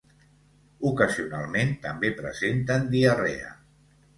Ocasionalment també presenten diarrea.